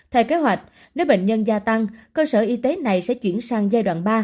theo kế hoạch nếu bệnh nhân gia tăng cơ sở y tế này sẽ chuyển sang giai đoạn ba